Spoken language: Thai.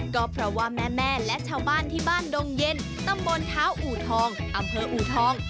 ก็เพราะว่าแม่และชาวบ้านที่บ้านดงเย็นตำบลเท้าอูทองอำเภออูทอง